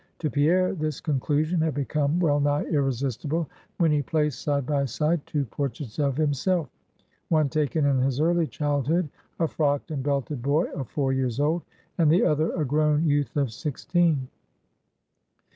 To Pierre this conclusion had become well nigh irresistible, when he placed side by side two portraits of himself; one taken in his early childhood, a frocked and belted boy of four years old; and the other, a grown youth of sixteen.